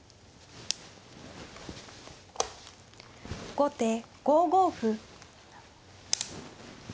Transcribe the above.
後手５五歩。